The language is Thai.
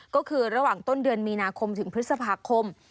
ก็คือระหว่างต้นเดือนมีนาคมถึงพฤษภาคม